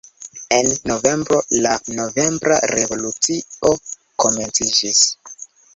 En novembro, la novembra revolucio komenciĝis.